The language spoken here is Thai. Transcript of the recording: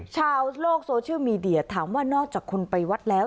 ชาวโลกโซเชียลมีเดียถามว่านอกจากคุณไปวัดแล้ว